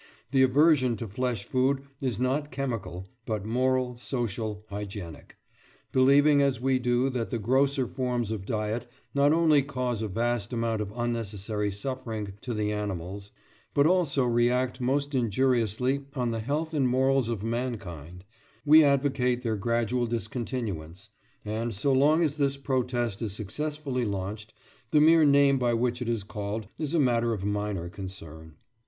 The aversion to flesh food is not chemical, but moral, social, hygienic. Believing as we do that the grosser forms of diet not only cause a vast amount of unnecessary suffering to the animals, but also react most injuriously on the health and morals of mankind, we advocate their gradual discontinuance; and so long as this protest is successfully launched, the mere name by which it is called is a matter of minor concern.